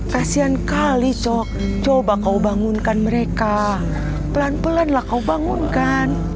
kasian kali sok coba kau bangunkan mereka pelan pelan lah kau bangunkan